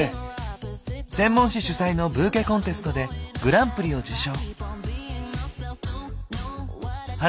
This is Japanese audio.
専門誌主催のブーケコンテストでグランプリを受賞。